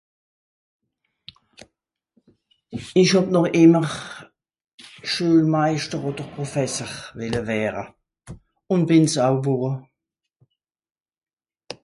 esch hàb nor ìmmer Schölmeister oder Professer welle wäre un bìn's aw wore